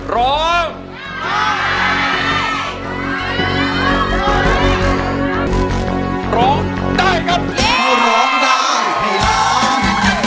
ร้องได้กัน